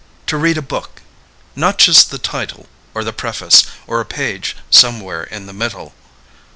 To read a book. Not just the title or the preface, or a page somewhere in the middle.